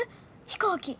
飛行機。